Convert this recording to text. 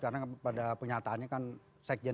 karena pada penyataannya kan sekjen